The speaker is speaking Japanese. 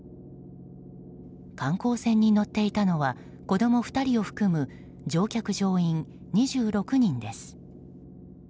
観光船に乗っていたのは子供２人を含む乗客・乗員２６人です。